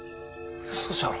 嘘じゃろ。